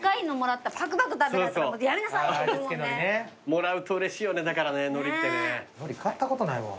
もらうとうれしいよねだからね海苔ってね。